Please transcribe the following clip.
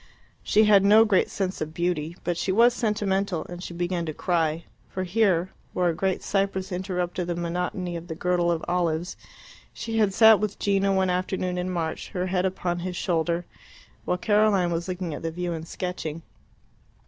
She had no great sense of beauty, but she was sentimental, and she began to cry; for here, where a great cypress interrupted the monotony of the girdle of olives, she had sat with Gino one afternoon in March, her head upon his shoulder, while Caroline was looking at the view and sketching.